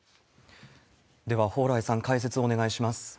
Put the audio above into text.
では、蓬莱さん、解説をお願いします。